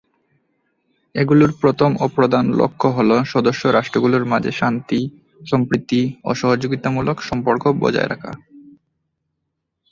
এগুলোর প্রথম ও প্রধান লক্ষ্য হলো সদস্য রাষ্ট্রগুলোর মাঝের শান্তি, সম্প্রীতি ও সহযোগিতামূলক সম্পর্ক বজায় রাখা।